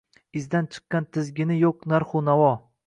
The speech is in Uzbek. Izdan chiqqan tizgini yoʼq narxu navo